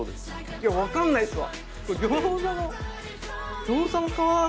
いや分かんないっすわ。